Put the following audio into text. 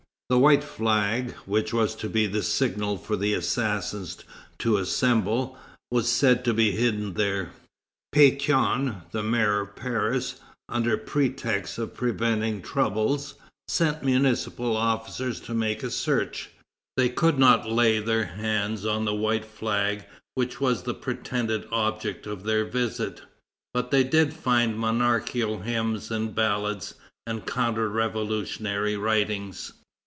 The white flag, which was to be the signal for the assassins to assemble, was said to be hidden there. Pétion, the mayor of Paris, under pretext of preventing troubles, sent municipal officers to make a search. They could not lay their hands on the white flag which was the pretended object of their visit, but they did find monarchical hymns and ballads, and counter revolutionary writings.